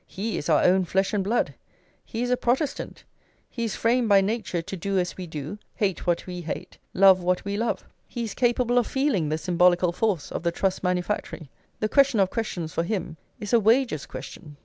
+ He is our own flesh and blood; he is a Protestant; he is framed by nature to do as we do, hate what we hate, love what we love; he is capable of feeling the symbolical force of the Truss Manufactory; the question of questions, for him, is a wages' question.